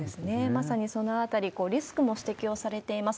まさにそのあたり、リスクも指摘をされています。